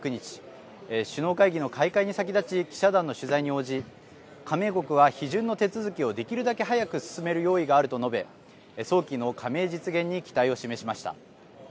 事務総長は２９日首脳会議の開会に先立ち記者団の取材に応じ加盟国は批准の手続きをできるだけ早く進める用意があると述べ早期の加盟実現に期待を示しました。